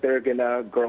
mempercayai dan mempercayai